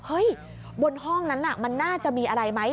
เฮ้ยบนห้องนั้นน่ะมันน่าจะมีอะไรไหม